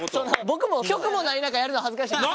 僕も曲もない中やるのは恥ずかしいです。